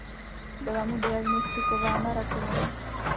Byla mu diagnostikována rakovina.